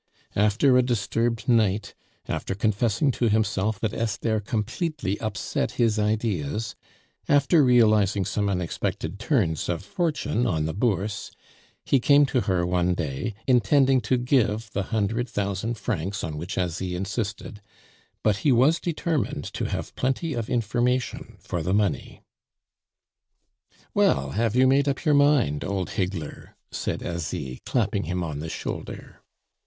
After a disturbed night, after confessing to himself that Esther completely upset his ideas, after realizing some unexpected turns of fortune on the Bourse, he came to her one day, intending to give the hundred thousand francs on which Asie insisted, but he was determined to have plenty of information for the money. "Well, have you made up your mind, old higgler?" said Asie, clapping him on the shoulder.